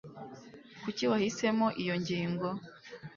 Kuki wahisemo iyo ngingo